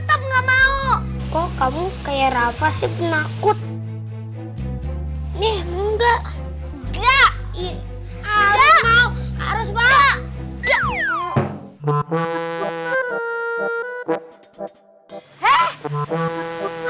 nih enggak enggak enggak enggak enggak enggak enggak enggak enggak enggak enggak enggak enggak enggak